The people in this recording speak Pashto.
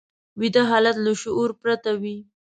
ویده حالت له شعور پرته وي